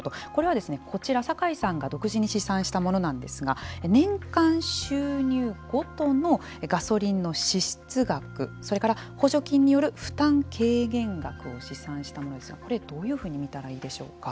これは、こちら、酒井さんが独自に試算したものなんですが年間収入ごとのガソリンの支出額それから補助金による負担軽減額を試算したものですがこれ、どういうふうに見たらいいでしょうか。